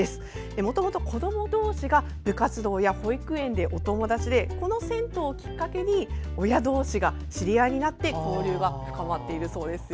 もともと子ども同士が部活動や保育園でお友達でこの銭湯をきっかけに親同士が知り合いになって交流が深まっているそうですよ。